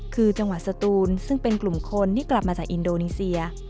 คือจังหวัดสตูนซึ่งเป็นกลุ่มคนที่กลับมาจากอินโดนีเซีย